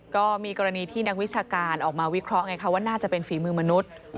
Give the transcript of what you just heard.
ก็มีกรณีที่นักวิชาการออกมาวิเคราะห์ไงคะว่าน่าจะเป็นฝีมือมนุษย์